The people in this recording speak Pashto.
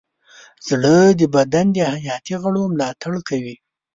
زړه د بدن د حیاتي غړو ملاتړ کوي.